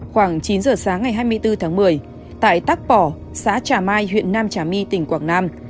khoảng chín giờ sáng ngày hai mươi bốn tháng một mươi tại tác bỏ xã trà mai huyện nam trà my tỉnh quảng nam